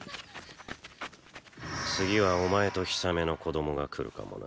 次はお前とヒサメの子供が来るかもな。